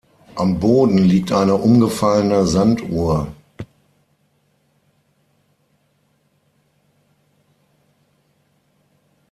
Am Boden liegt eine umgefallene Sanduhr.